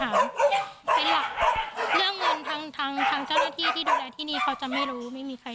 ดูแลน้องหมาพาหมาไปถามหมอื้อที่ดูแลที่นี่เขาจะไม่รู้ไม่มีใคร